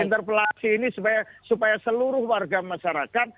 interpelasi ini supaya seluruh warga masyarakat